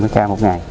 hai mươi k một ngày